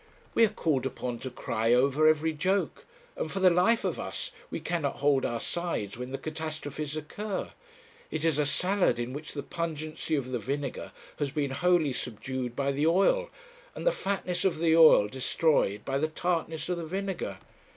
We are called upon to cry over every joke, and, for the life of us, we cannot hold our sides when the catastrophes occur. It is a salad in which the pungency of the vinegar has been wholly subdued by the oil, and the fatness of the oil destroyed by the tartness of the vinegar.'